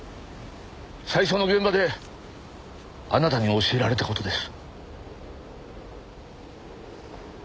最初の現場であなたに教えられた事です。